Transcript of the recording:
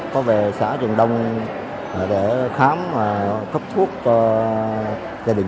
cảm ơn các bạn